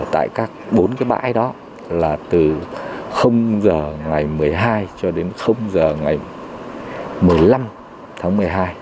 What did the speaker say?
tại các bốn cái bãi đó là từ h ngày một mươi hai cho đến giờ ngày một mươi năm tháng một mươi hai